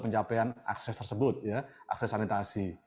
pencapaian akses tersebut ya akses sanitasi